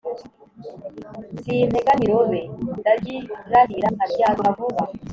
sinteganya irobe ; ndaryirahira, nkaryanzura vuba !»